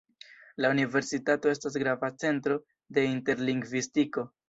La universitato estas grava centro de interlingvistiko.